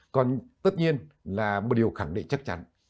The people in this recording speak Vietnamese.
còn tất nhiên là một điều khẳng định chắc chắn